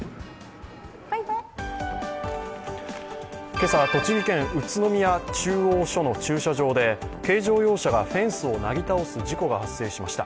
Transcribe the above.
今朝、栃木県・宇都宮中央署の駐車場で軽乗用車がフェンスをなぎ倒す事故が発生しました。